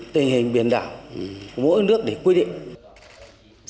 tình hình biển đảo của mỗi một nước để quy định